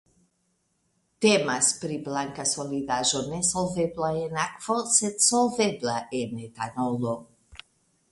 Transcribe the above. Temas pri blanka solidaĵo nesolvebla en akvo sed solvebla en etanolo.